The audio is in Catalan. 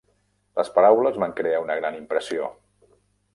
Les paraules van crear una gran impressió.